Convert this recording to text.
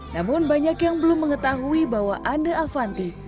namun banyak yang belum mengetahui bahwa anda avanti